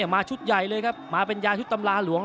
มาชุดใหญ่เลยครับมาเป็นยาชุดตำราหลวง